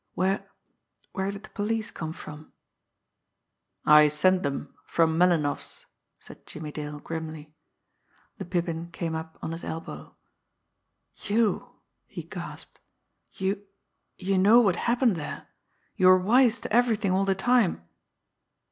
Where where did the police come from?" "I sent them from Melinoff's," said Jimmie Dale grimly. The Pippin came up on his elbow. "You!" he gasped. "You you know what happened there you were wise to everything all the time?"